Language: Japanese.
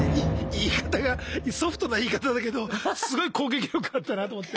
言い方がソフトな言い方だけどすごい攻撃力あったなと思って。